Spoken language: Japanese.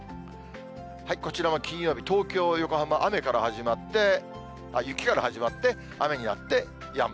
こちらは金曜日、東京、横浜、雨から始まって、雪から始まって雨になってやむ。